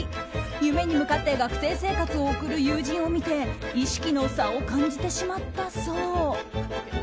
夢に向かって学生生活を送る友人を見て意識の差を感じてしまったそう。